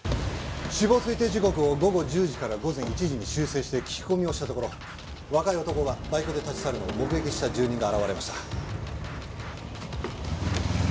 死亡推定時刻を午後１０時から午前１時に修正して聞き込みをしたところ若い男がバイクで立ち去るのを目撃した住人が現れました。